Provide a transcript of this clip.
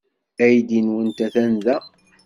Aydi-nwent atan da.